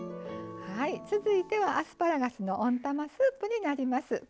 はい続いてはアスパラガスの温たまスープになります。